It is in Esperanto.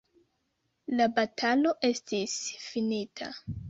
La batalo estis finita.